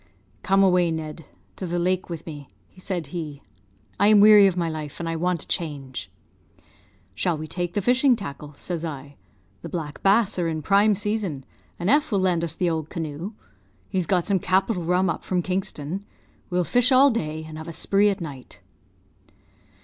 "'Come away, Ned, to the lake, with me,' said he; 'I am weary of my life, and I want a change.' "'Shall we take the fishing tackle?' says I. 'The black bass are in prime season, and F will lend us the old canoe. He's got some capital rum up from Kingston. We'll fish all day, and have a spree at night.'